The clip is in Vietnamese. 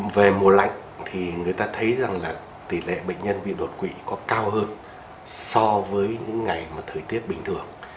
về mùa lạnh thì người ta thấy rằng là tỷ lệ bệnh nhân bị đột quỵ có cao hơn so với những ngày mà thời tiết bình thường